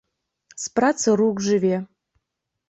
З працы рук жыве.